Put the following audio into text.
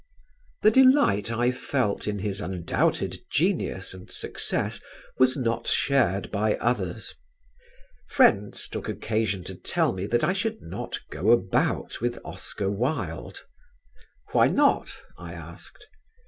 The delight I felt in his undoubted genius and success was not shared by others. Friends took occasion to tell me that I should not go about with Oscar Wilde. "Why not?" I asked.